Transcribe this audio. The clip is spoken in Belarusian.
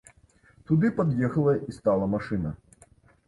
Туды пад'ехала і стала машына.